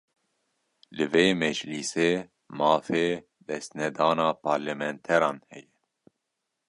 Li vê meclîsê, mafê destnedana parlementeran heye